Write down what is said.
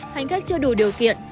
hành khách chưa đủ điều kiện